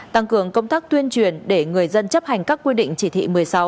tăng cường công tác tuyên truyền để người dân chấp hành các quy định chỉ thị một mươi sáu